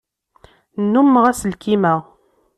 Nnummeɣ aselkim-a.